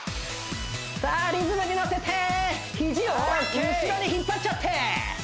さあリズムに乗せてヒジを後ろに引っ張っちゃって！